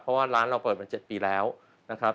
เพราะว่าร้านเราเปิดมา๗ปีแล้วนะครับ